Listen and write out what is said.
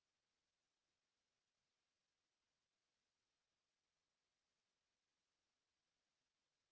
จะบอกเลยครับว่าว่าเวลาสุดท้ายนั้นจะเยี่ยมมากนะครับ